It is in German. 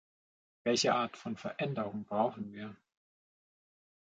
Welche Art von Veränderungen brauchen wir?